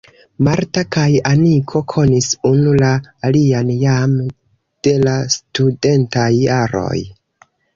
Marta kaj Aniko konis unu la alian jam de la studentaj jaroj.